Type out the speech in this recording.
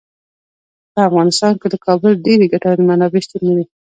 په افغانستان کې د کابل ډیرې ګټورې منابع شتون لري.